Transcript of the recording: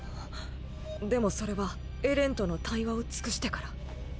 でもそれはエレンとの対話を尽くしてから。